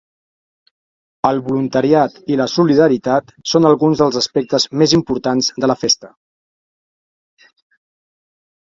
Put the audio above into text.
El voluntariat i la solidaritat són alguns dels aspectes més importants de la festa.